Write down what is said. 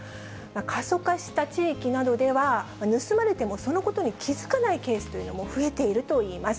過疎化した地域などでは、盗まれても、そのことに気付かないケースというのも増えているといいます。